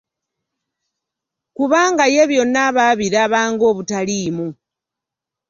Kubanga ye byonna aba abiraba ng'obutaliimu.